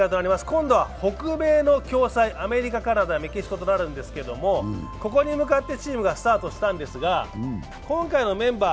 今度は北米の共催、アメリカ、カナダ、メキシコとなるんですが、ここに向かってチームがスタートしたんですが、今回のメンバー、